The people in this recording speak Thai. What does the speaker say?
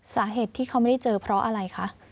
สาเหตุที่เขาไม่ได้เจอเพราะอะไรคะ